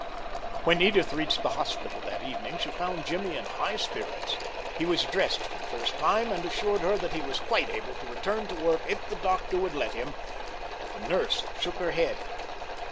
When Edith reached the hospital that evening she found Jimmy in high spirits. He was dressed for the first time, and assured her that he was quite able to return to work if the doctor would let him, but the nurse shook her head.